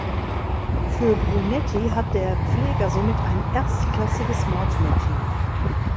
Für Brunetti hat der Pfleger somit ein erstklassiges Mordmotiv.